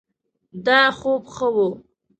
دا خوب ښه ؤ